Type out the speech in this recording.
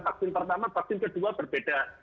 vaksin pertama vaksin kedua berbeda